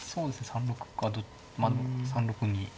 ３六かまあ３六に。